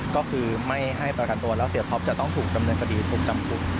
ก็คือไม่ให้ประกันตัวแล้วเสียท็อปจะต้องถูกดำเนินคดีถูกจำคุก